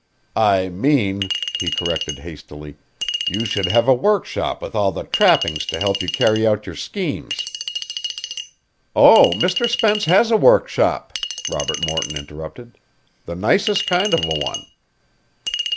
"I mean," he corrected hastily, "you should have a workshop with all the trappings to help you carry out your schemes." "Oh, Mr. Spence has a workshop," Robert Morton interrupted. "The nicest kind of a one."